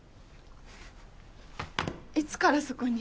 いつからそこに？